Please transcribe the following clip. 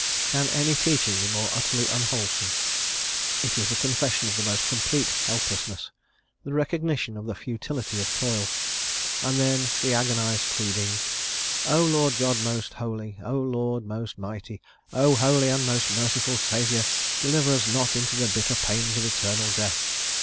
Can any teaching be more utterly unwholesome? It is the confession of the most complete helplessness, the recognition of the futility of toil. And then the agonised pleading: "O Lord God most holy, O Lord most mighty, O holy and most merciful Saviour deliver us not into the bitter pains of eternal death."